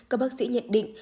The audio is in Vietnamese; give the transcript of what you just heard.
các bác sĩ nhận định